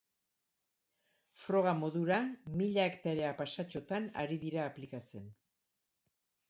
Froga modura mila hektarea pasatxotan ari dira aplikatzen.